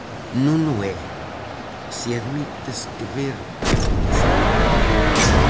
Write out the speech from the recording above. Non o é, se admites que ver é coñecer.